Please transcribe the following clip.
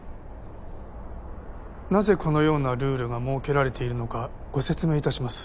なぜこのようなルールが設けられているのかご説明いたします。